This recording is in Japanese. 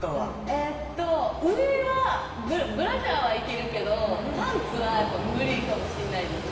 えっと上はブラジャーはいけるけどパンツはやっぱムリかもしんないです。